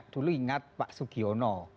dulu ingat pak sugiono